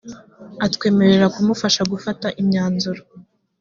atwemerera kumufasha gufata imyanzuro